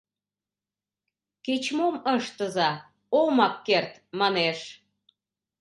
— Кеч-мом ыштыза, омак керт, — манеш.